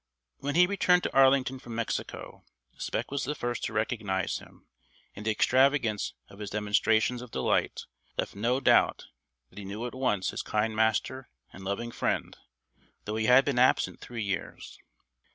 ..." When he returned to Arlington from Mexico, Spec was the first to recognise him, and the extravagance of his demonstrations of delight left no doubt that he knew at once his kind master and loving friend, though he had been absent three years.